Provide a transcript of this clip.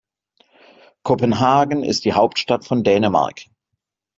Kopenhagen ist die Hauptstadt von Dänemark.